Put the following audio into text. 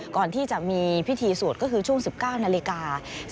ก่อนที่จะมีพิธีสวดก็คือช่วง๑๙นาฬิกา